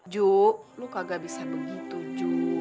ju lo kagak bisa begitu ju